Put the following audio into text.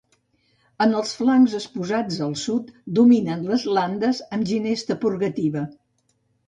En els flancs exposats al sud dominen les landes amb ginesta purgativa.